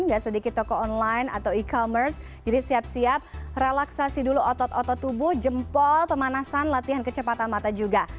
gak sedikit toko online atau e commerce jadi siap siap relaksasi dulu otot otot tubuh jempol pemanasan latihan kecepatan mata juga